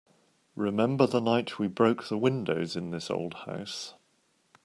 Remember the night we broke the windows in this old house?